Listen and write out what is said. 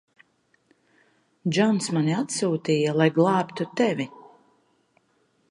Džons mani atsūtīja, lai glābtu tevi.